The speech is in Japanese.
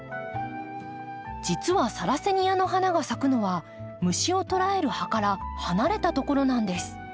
実はサラセニアの花が咲くのは虫を捕らえる葉から離れたところなんです。